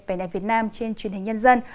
vẻ đẹp việt nam trên truyền hình nhân dân